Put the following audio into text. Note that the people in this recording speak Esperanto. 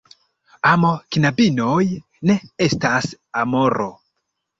Amo, knabinoj, ne estas Amoro.